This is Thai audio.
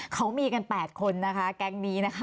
เขามีกัน๘คนนะคะแก๊งนี้นะคะ